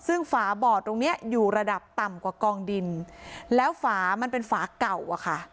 ซึ่งฝาบอดตรงเนี้ยอยู่ระดับต่ำกว่ากองดินแล้วฝามันเป็นฝาเก่าอะค่ะ